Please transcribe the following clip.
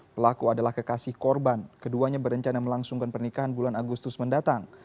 pelaku adalah kekasih korban keduanya berencana melangsungkan pernikahan bulan agustus mendatang